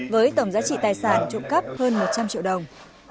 với tổng giá trị tài sản trộm cắp hơn một trăm linh triệu đồng